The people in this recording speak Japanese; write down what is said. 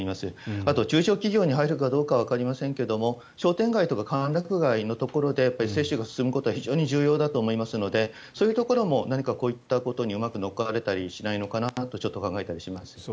あと中小企業に入るかはわかりませんが商店街とか歓楽街のところで接種が進むことは非常に重要だと思いますのでそういうところも何かこういったことにうまく乗っかれたりしないのかなとちょっと考えたりします。